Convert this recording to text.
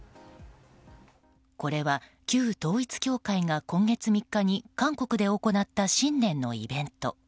これは旧統一教会が今月３日に韓国で行った新年のイベント。